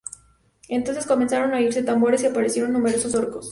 Entonces comenzaron a oírse tambores y aparecieron numerosos orcos.